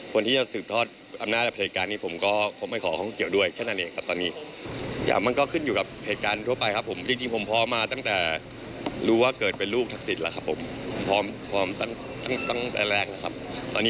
คือพร้อมจะต้องทำกัดหรือกัน